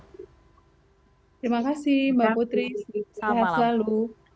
terima kasih mbak putri sehat selalu